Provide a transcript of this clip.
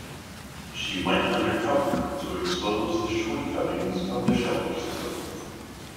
She went undercover to expose the shortcomings of the shelter system.